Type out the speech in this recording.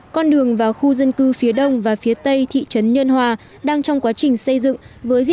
con đường vào khu dân cư phía đông và phía tây thị trấn nhân hòa đang trong quá trình xây dựng với diện